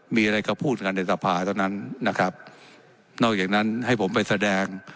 มีอะไรก็พูดกันในสภาเท่านั้นนะครับนอกจากนั้นให้ผมไปแสดง